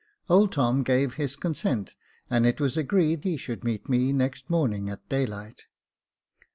Old Tom gave his consent, and it was agreed he should meet me next morning at daylight.